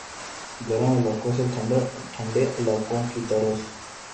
گرم علاقوں سے ٹھنڈے علاقوں کی طرف